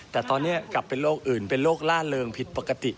แต่ตอนนี้กลับเป็นโรคอื่นเป็นโรคล่าเริงผิดปกติ